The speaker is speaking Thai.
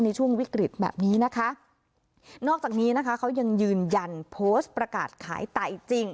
ในช่วงวิกฤตแบบนี้นะคะนอกจากนี้นะคะเขายังยืนยันโพสต์ประกาศขายไต่จริง